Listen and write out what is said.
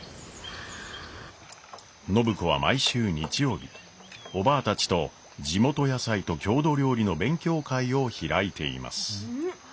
暢子は毎週日曜日おばぁたちと地元野菜と郷土料理の勉強会を開いています。